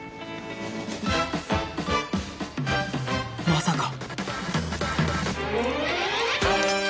まさか！